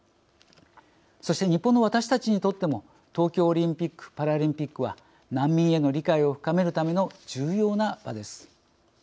そして日本の私たちにとっても東京オリンピックパラリンピックは難民への理解を深めるための重要な場です。